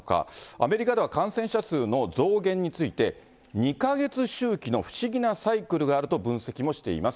アメリカでは感染者数の増減について、２か月周期の不思議なサイクルがあると分析もしています。